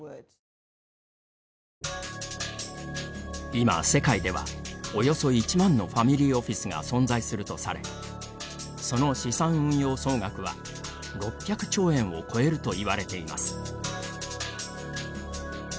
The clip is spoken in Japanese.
今、世界では、およそ１万のファミリーオフィスが存在するとされその資産運用総額は６００兆円を超えるといわれています。